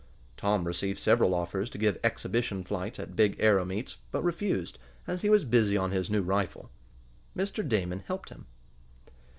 Tom received several offers to give exhibition flights at big aero meets, but refused, as he was busy on his new rifle. Mr. Damon helped him.